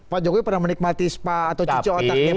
pak jokowi pernah menikmati spa atau cucu otaknya